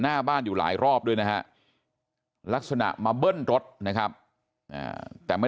หน้าบ้านอยู่หลายรอบด้วยนะฮะลักษณะมาเบิ้ลรถนะครับแต่ไม่